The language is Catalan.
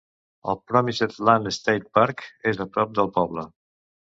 El Promised Land State Park és a prop del poble.